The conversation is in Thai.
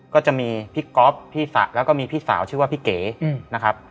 ก็จะมีพี่ก๊อฟพี่แล้วก็มีพี่สาวชื่อว่าพี่เก๋นะครับ